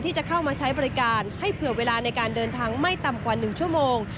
ที่จะเข้ามาใช้บริการให้เผื่อเวลาในการเดินทางไม่ต่ำกว่า๑ชั่วโมง